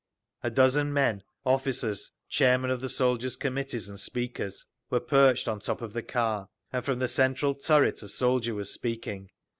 A dozen men, officers, chairmen of the Soldiers' Committees and speakers, were perched on top of the car, and from the central turret a soldier was speaking.